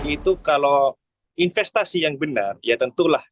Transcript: itu kalau investasi yang benar ya tentulah